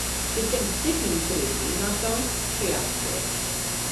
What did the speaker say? Fe demtid ni i gredu nad oes Creawdwr.